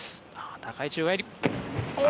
高い宙返り。